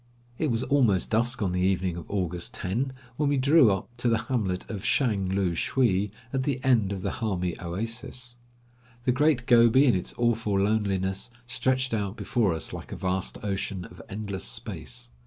It was already dusk on the evening of August 10 when we drew up to the hamlet of Shang loo shwee at the end of the Hami oasis. The Great Gobi, in its awful loneliness, stretched out before us, like a vast ocean of endless space.